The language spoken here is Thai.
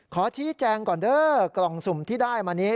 ขอชี้แจงก่อนเด้อกล่องสุ่มที่ได้มานี้